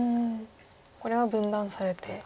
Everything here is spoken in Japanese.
これは分断されて。